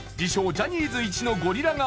ジャニーズ１のゴリラ顔